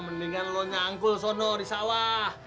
mendingan lo nyangkul sono di sawah